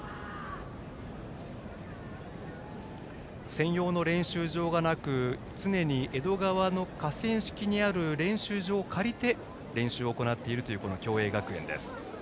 専用の練習場がなく常に江戸川の河川敷にある練習場を借りて練習を行っているという共栄学園です。